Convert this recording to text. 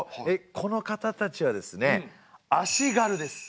この方たちはですね足軽です。